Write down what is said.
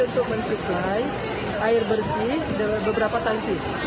untuk mensuplai air bersih beberapa tangki